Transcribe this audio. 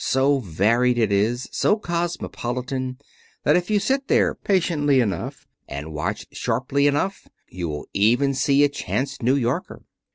So varied it is, so cosmopolitan, that if you sit there patiently enough, and watch sharply enough you will even see a chance New Yorker.